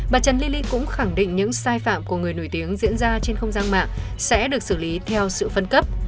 bà trần li ly cũng khẳng định những sai phạm của người nổi tiếng diễn ra trên không gian mạng sẽ được xử lý theo sự phân cấp